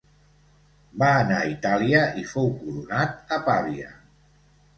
Va anar a Itàlia i fou coronat a Pavia.